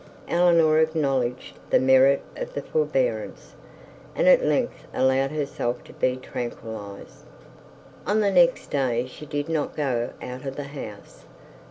Eleanor acknowledged the merit of the forbearance, and at length allowed herself to be tranquillised. On the next day she did not go out of the house.